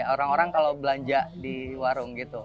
orang orang kalau belanja di warung gitu